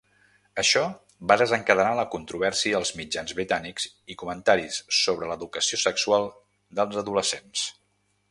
Això va desencadenar la controvèrsia als mitjans britànics i comentaris sobre l'educació sexual dels adolescents.